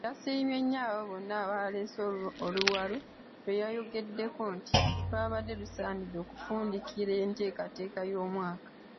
Yasiimye nnyo abo bonna abaaleese oluwalo lwe yayogeddeko nti lwabadde lusaanidde okufundikira enteekateeka y'omwaka.